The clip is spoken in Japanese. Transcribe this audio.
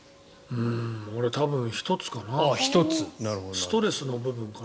俺は多分１つかな。